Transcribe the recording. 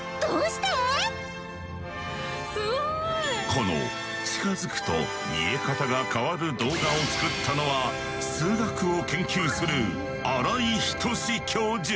この近づくと見え方が変わる動画を作ったのは数学を研究する新井仁之教授。